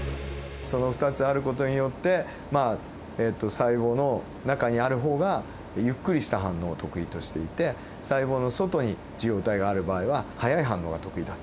その２つある事によってまあ細胞の中にある方がゆっくりした反応を得意としていて細胞の外に受容体がある場合は速い反応が得意だ。